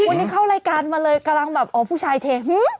วันนี้เข้ารายการมาเลยกำลังแบบอ๋อผู้ชายเท